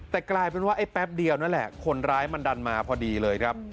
แต่กลายเป็นว่าไอ้แป๊บเดียวนั่นแหละคนร้ายมันดันมาพอดีเลยครับ